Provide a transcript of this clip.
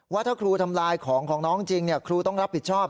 ว่าถ้าครูทำลายของของน้องจริงครูต้องรับผิดชอบ